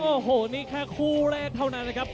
โอ้โหนี่แค่คู่แรกเท่านั้นนะครับ